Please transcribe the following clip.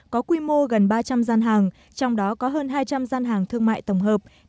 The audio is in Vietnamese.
có quy mô gần ba trăm linh gian hàng trong đó có hơn hai trăm linh gian hàng thương mại tổng hợp